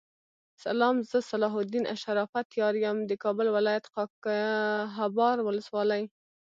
سلام زه صلاح الدین شرافت یار یم دکابل ولایت خاکحبار ولسوالی